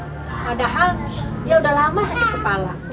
padahal dia udah lama sakit kepala